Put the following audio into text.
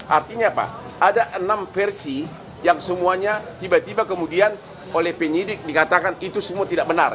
artinya apa ada enam versi yang semuanya tiba tiba kemudian oleh penyidik dikatakan itu semua tidak benar